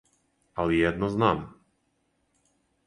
Али једно знам.